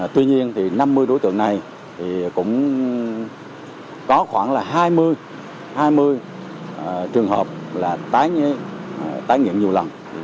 tuy nhiên năm mươi đối tượng này cũng có khoảng hai mươi trường hợp tái nghiện nhiều lần